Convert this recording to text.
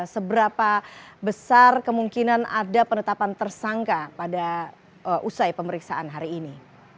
seberapa besar kemungkinan ada penetapan tersangka pada usai pemeriksaan hari ini